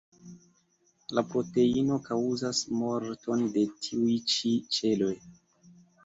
La proteino kaŭzas morton de tiuj ĉi ĉeloj.